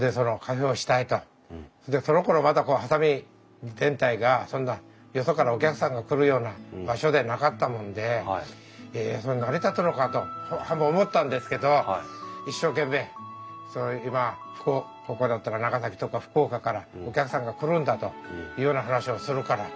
そのころまだ波佐見全体がそんなよそからお客さんが来るような場所でなかったもんでそれ成り立つのかと半分思ったんですけど一生懸命ここだったら長崎とか福岡からお客さんが来るんだというような話をするからそんなもんかなと。